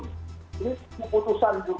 ini keputusan juga